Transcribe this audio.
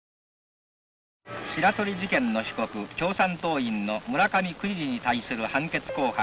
「白鳥事件の被告共産党員の村上国治に対する判決公判が」。